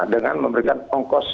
dengan memberikan ongkos